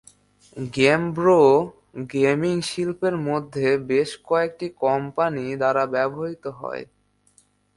গেমব্রোয়ো gaming শিল্পের মধ্যে বেশ কয়েকটি কোম্পানি দ্বারা ব্যবহৃত হয়।